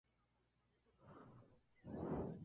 Estudió humanidades en el colegio de jesuitas.